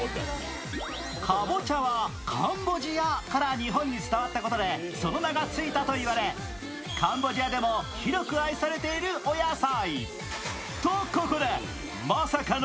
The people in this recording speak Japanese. かぼちゃはカンボジアから日本に伝わったことからその名がついたと言われ、カンボジアでも広く愛されているお野菜。